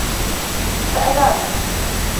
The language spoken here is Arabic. سأنام.